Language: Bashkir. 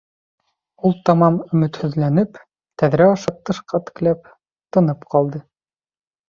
Ул тамам өмөтһөҙләнеп, тәҙрә аша тышҡа текләп, тынып ҡалды.